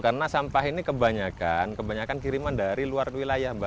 karena sampah ini kebanyakan kebanyakan kiriman dari luar wilayah mbak